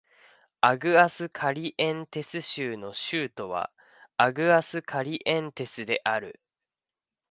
アグアスカリエンテス州の州都はアグアスカリエンテスである